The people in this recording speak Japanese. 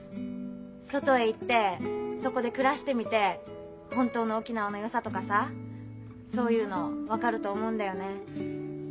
外へ行ってそこで暮らしてみて本当の沖縄のよさとかさそういうの分かると思うんだよね。